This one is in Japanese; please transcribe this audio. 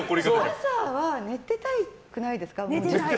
朝は寝てたくないですか。